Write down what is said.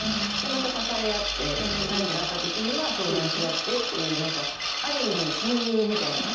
また支え合って何かあった時には相談し合ってっていう何かある意味親友みたいな。